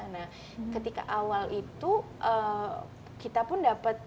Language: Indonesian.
nah ketika awal itu kita pun dapat